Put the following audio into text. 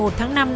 ở phường bòm hán